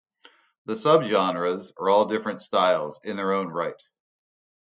The subgenres are all different styles in their own right.